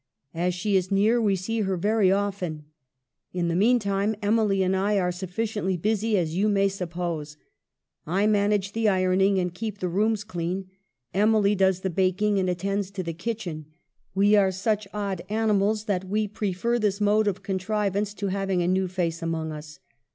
As she is near we see her very often. In the meantime, Emily and I are sufficiently busy, as you may suppose ; I manage the ironing and keep the rooms clean ; Emily does the baking and attends to the kitchen. We are such odd animals that we prefer this mode of contrivance to having a new face among us.